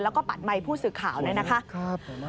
แล้วก็ปัดไมค์ผู้สื่อข่าวเนี่ยนะคะ